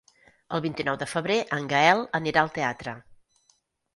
El vint-i-nou de febrer en Gaël anirà al teatre.